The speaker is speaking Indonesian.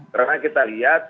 karena kita lihat